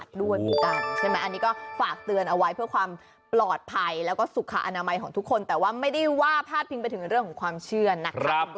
ช่วงนี้โรคไพร่ไข้เจ็บมันก็เยอะ